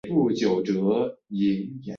勒布莱莫兰。